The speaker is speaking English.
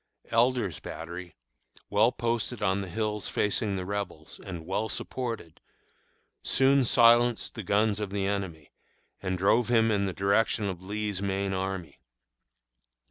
Elder's battery, well posted on the hills facing the Rebels, and well supported, soon silenced the guns of the enemy, and drove him in the direction of Lee's main army.